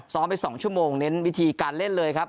ไป๒ชั่วโมงเน้นวิธีการเล่นเลยครับ